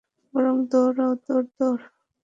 বরং দৌড়াও, দৌড়, দৌড়!